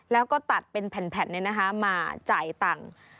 แล้วก็ตัดเป็นแผ่นมาจ่ายตังค์